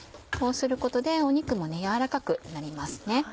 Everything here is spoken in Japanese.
こうすることで肉も軟らかくなりますね。